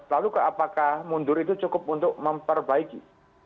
lalu apakah mundur itu cukup untuk memperbaiki